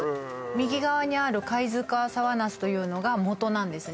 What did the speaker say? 右側にある貝塚澤なすというのがもとなんですね